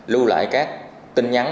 hai lưu lại các tin nhắn